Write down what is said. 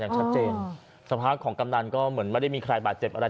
ชัดเจนสภาพของกำนันก็เหมือนไม่ได้มีใครบาดเจ็บอะไร